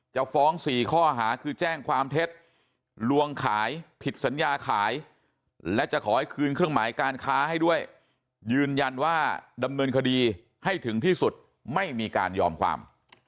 จะขอให้คืนเครื่องหมายการค้าให้ด้วยยืนยันว่าดำเนินคดีให้ถึงที่สุดไม่มีการยอมความ